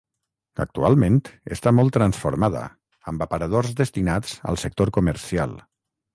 Actualment està molt transformada amb aparadors destinats al sector comercial.